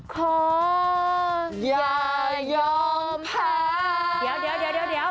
ขออย่ายอมพลาด